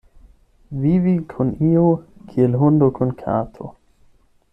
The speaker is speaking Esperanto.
Vivi kun iu kiel hundo kun kato.